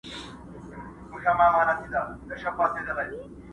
پلار کار ته ځي خو زړه يې نه وي هلته.